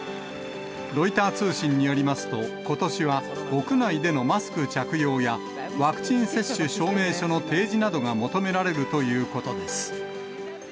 ロイター通信によりますと、ことしは屋内でのマスク着用や、ワクチン接種証明書の提示などが求められるということです。